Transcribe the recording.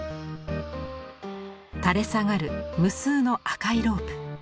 垂れ下がる無数の赤いロープ。